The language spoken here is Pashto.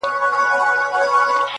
له عالمه پټ پنهان د زړه په ویر یم »٫